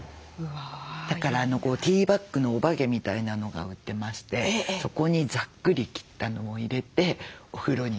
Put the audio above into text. だからティーバッグのおばけみたいなのが売ってましてそこにざっくり切ったのを入れてお風呂に入りながらこう。